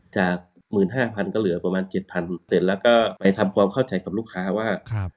จาก๑๕๐๐๐ก็เหลือประมาณ๗๐๐เสร็จแล้วก็ไปทำความเข้าใจกับลูกค้าว่า